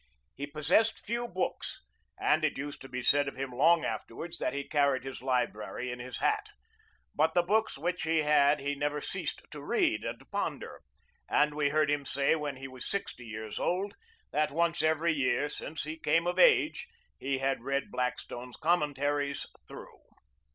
He possessed few books, and it used to be said of him long afterwards that he carried his library in his hat. But the books which he had he never ceased to read and ponder, and we heard him say when he was sixty years old, that once every year since he came of age he had read "Blackstone's Commentaries" through.